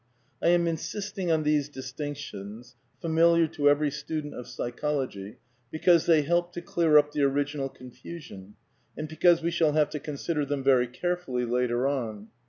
I am insisting on these distinctions — familiar to every student of psychology — because they help to clear up the original confusion, and because we shall have to consider them very carefully later on.